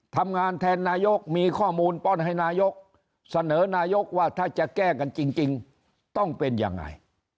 ทำงานแทนนายกมีข้อมูลป้อนให้นายกเสนอนายกว่าถ้าจะแก้กันจริงต้องเป็นยังไง